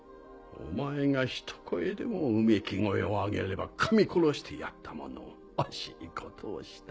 お前がひと声でもうめき声をあげれば噛み殺してやったものを惜しいことをした。